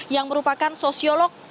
yang merupakan sosiolog